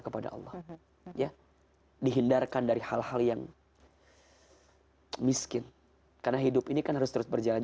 kepada allah ya dihindarkan dari hal hal yang miskin karena hidup ini kan harus terus berjalan